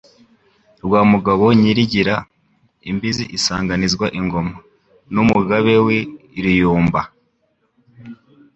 Rwa mugabo nyirigira, Imbizi isanganizwa ingoma,N' Umugabe w' i Ruyumba,